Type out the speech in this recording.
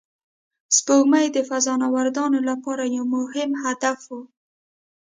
سپوږمۍ د فضانوردانو لپاره یو مهم هدف و